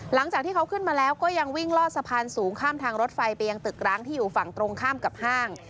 หลังจากที่เขาขึ้นมาแล้วก็ยังวิ่งลอดสะพานสูงข้ามทางรถไฟไปยังตึกร้างที่อยู่ฝั่งตรงข้ามกับห้าง